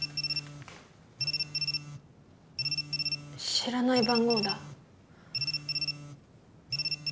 知らない番号だ。